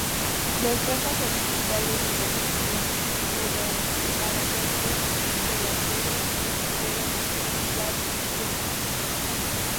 Las franjas horizontales de protección de los paragolpes delanteros y traseros están cromados.